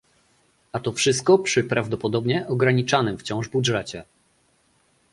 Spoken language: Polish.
A to wszystko przy prawdopodobnie ograniczanym wciąż budżecie